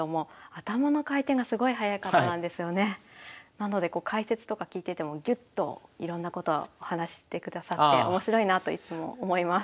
なので解説とか聞いててもギュッといろんなことをお話ししてくださって面白いなといつも思います。